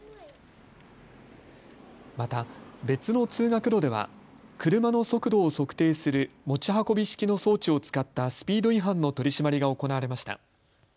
また別の通学路では車の速度を測定する持ち運び式の装置を使ったスピード違反の取締りが行われました。